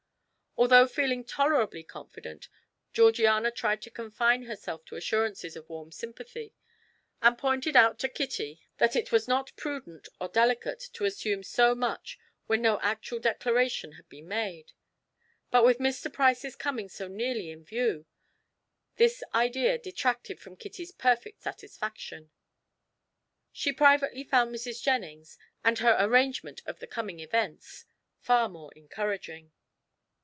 Although feeling tolerably confident, Georgiana tried to confine herself to assurances of warm sympathy, and pointed out to Kitty that it was not prudent or delicate to assume so much when no actual declaration had been made, but with Mr. Price's coming so nearly in view, this idea detracted from Kitty's perfect satisfaction; she privately found Mrs. Jennings, and her arrangement of the coming events, far more encouraging.